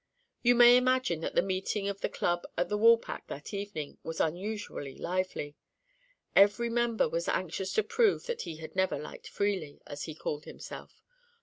You may imagine that the meeting of the Club at the Woolpack that evening was unusually lively. Every member was anxious to prove that he had never liked Freely, as he called himself.